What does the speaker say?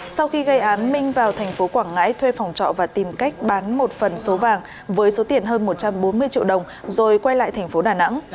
sau khi gây án minh vào thành phố quảng ngãi thuê phòng trọ và tìm cách bán một phần số vàng với số tiền hơn một trăm bốn mươi triệu đồng rồi quay lại thành phố đà nẵng